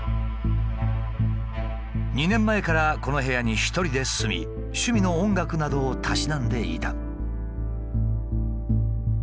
２年前からこの部屋に一人で住み趣味の音楽などをたしなんでいた。